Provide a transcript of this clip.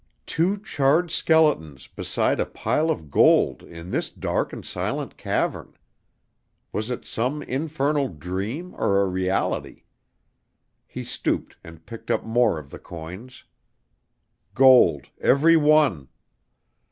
Two charred skeletons beside a pile of gold in this dark and silent cavern! Was it some infernal dream or a reality? He stooped and picked up more of the coins. Gold, every one!